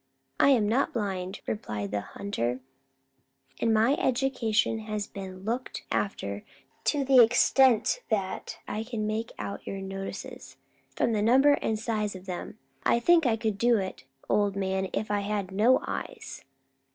"I am not blind," replied the hunter; "and my education has been looked after to the extent that I can make out your notices. From the number and size of them, I think I could do it, old man, if I had no eyes."